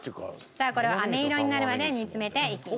さあこれを飴色になるまで煮詰めていきます。